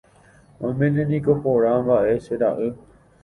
Oiméne niko póra mba'e, che ra'y.